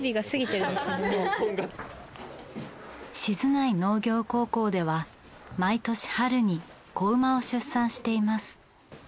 静内農業高校では毎年春に子馬を出産しています。